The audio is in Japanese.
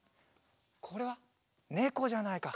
これはねこじゃないか。